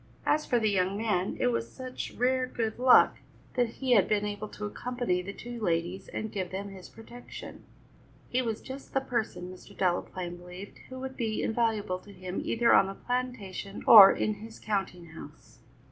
As for the young man, it was such rare good luck that he had been able to accompany the two ladies and give them his protection. He was just the person, Mr. Delaplaine believed, who would be invaluable to him either on the plantation or in his counting house.